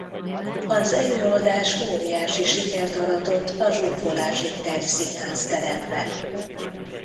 Az előadás óriási sikert aratott a zsúfolásig telt színházteremben.